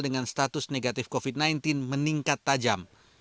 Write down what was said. dengan status negatif covid sembilan belas meningkat tajam